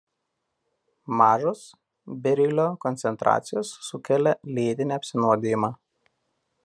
Mažos berilio koncentracijos sukelia lėtinį apsinuodijimą.